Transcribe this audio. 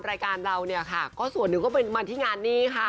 รายการเราเนี่ยค่ะก็ส่วนหนึ่งก็เป็นมาที่งานนี้ค่ะ